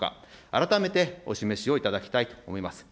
改めてお示しをいただきたいと思います。